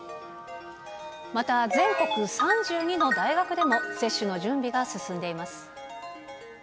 また全国３２の大学でも、接種の準備が進んでいます。